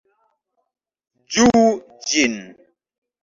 Ĝuu ĝin!